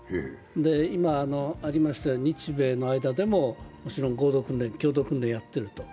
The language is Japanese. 今ありましたように日米の間でも合同訓練、共同訓練をやっていると。